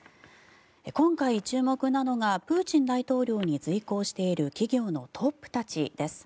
今回、注目なのがプーチン大統領に随行している企業のトップたちです。